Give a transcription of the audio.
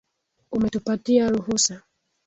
Umetupatia ruhusa